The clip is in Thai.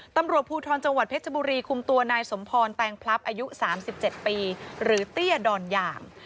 ตำรวจภูทรจังหวัดเพชรบุรีคุมตัวนายสมพรแตงพลับอายุ๓๗ปีหรือเตี้ยดอนอย่าง